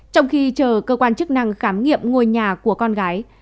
trong khi chờ cơ quan chức năng khám nghiệm ngôi nhà của con gái